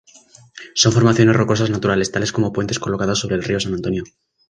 Son formaciones rocosas naturales, tales como puentes colocados sobre el río San Antonio.